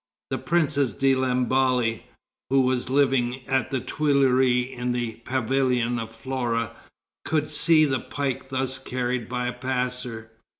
The Princess de Lamballe, who was living at the Tuileries in the Pavilion of Flora, could see the pike thus carried by a passer.